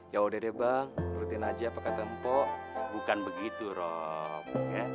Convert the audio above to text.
ya udah deh bang berhutin aja apa kata empoh bukan begitu rob